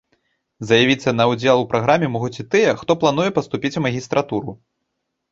Заявіцца на ўдзел у праграме могуць і тыя, хто плануе паступаць у магістратуру.